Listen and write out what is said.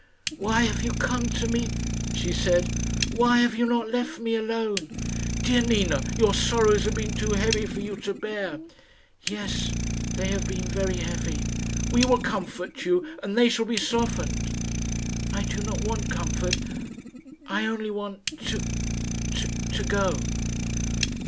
"Why have you come to me?" she said. "Why have you not left me alone?" "Dear Nina, your sorrows have been too heavy for you to bear." "Yes; they have been very heavy." "We will comfort you, and they shall be softened." "I do not want comfort. I only want to to to go."